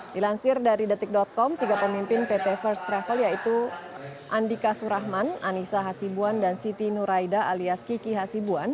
dilansir dari detik com tiga pemimpin pt first travel yaitu andika surahman anissa hasibuan dan siti nuraida alias kiki hasibuan